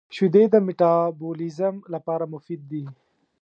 • شیدې د مټابولیزم لپاره مفید دي.